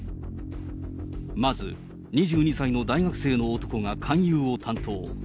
まず２２歳の大学生の男が勧誘を担当。